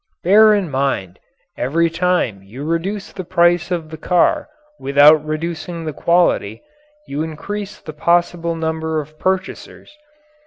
Bear in mind, every time you reduce the price of the car without reducing the quality, you increase the possible number of purchasers.